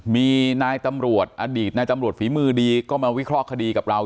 มีนายตำรวจอดีตนายตำรวจฝีมือดีก็มาวิเคราะห์คดีกับเรา